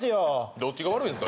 どっちが悪いんすか？